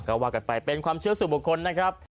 ก็ว่ากันไปเป็นความเชื่อสู่บุคคลนะครับ